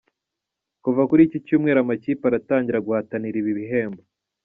Kuva kuri iki cyumweru amakipe aratangira guhatanira ibi bihembo.